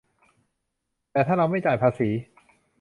แต่ถ้าเราไม่จ่ายภาษี